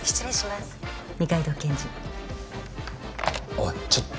おいちょっ！